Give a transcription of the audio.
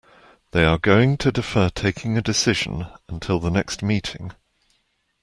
They are going to defer taking a decision until the next meeting.